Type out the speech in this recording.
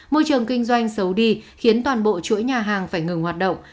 môi trường kinh doanh xấu đi khiến toàn bộ chuỗi nhà hàng phải ngừng hoạt động